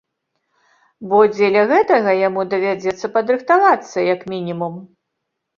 Бо дзеля гэтага яму давядзецца падрыхтавацца, як мінімум.